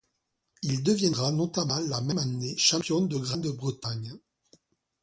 Il deviendra notamment la même année champion de Grande-Bretagne.